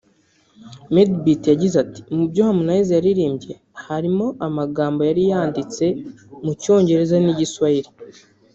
Madebeat yagize ati “Mu byo Harmonize yaririmbye harimo amagambo yari yanditse mu Cyongereza n’Igiswahili